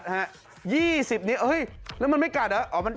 ๒๐นิดนี่แล้วมันไม่กัดเหรอ